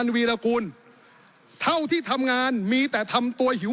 ขอประท้วงครับขอประท้วงครับขอประท้วงครับขอประท้วงครับ